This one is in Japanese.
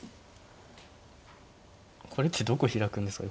これってどこヒラくんですか？